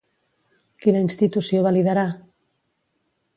Quina institució va liderar?